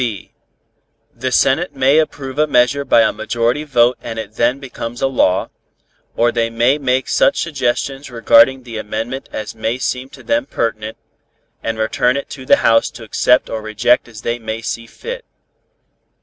(b) The Senate may approve a measure by a majority vote and it then becomes a law, or they may make such suggestions regarding the amendment as may seem to them pertinent, and return it to the House to accept or reject as they may see fit.